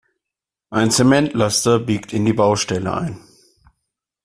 Ein Zementlaster biegt in die Baustelle ein.